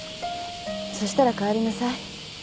そしたら帰りなさい。